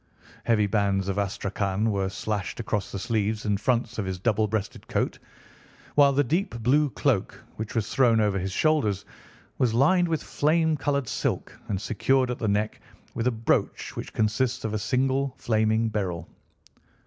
Heavy bands of astrakhan were slashed across the sleeves and fronts of his double breasted coat, while the deep blue cloak which was thrown over his shoulders was lined with flame coloured silk and secured at the neck with a brooch which consisted of a single flaming beryl.